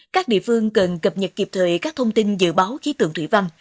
các địa phương cần cập nhật kịp thời các thông tin dự báo khí tượng thủy văn